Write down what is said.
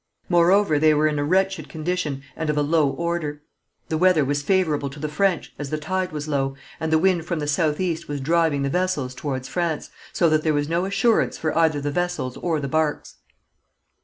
Moreover they were in a wretched condition, and of a low order. The weather was favourable to the French, as the tide was low, and the wind from the south east was driving the vessels towards France, so that there was no assurance for either the vessels or the barques.